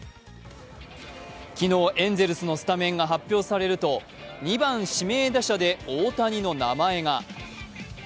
昨日、エンゼルスのスタメンが発表されると２番・指名打者で大谷の名前が。